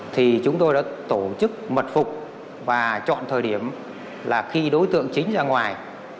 thì chúng tôi đã tổ chức mật phục và chọn thời điểm là khi đối tượng chính ra ngoài